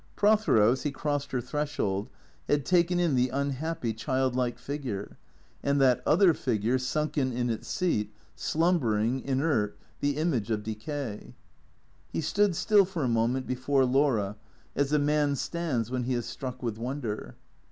Prothero, as he crossed her threshold, had taken in the un happy, childlike figure, and that other figure, sunken in its seat, THE CREATORS 205 slumbering, inert, the image of decay. He stood still for a mo ment before Laura, as a man stands when he is struck with wonder.